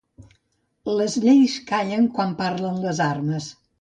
Les lleis callen quan parlen les armes.